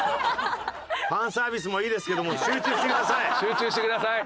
ファンサービスもいいですけども集中してください。